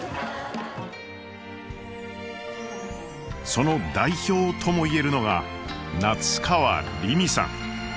その代表とも言えるのが夏川りみさん。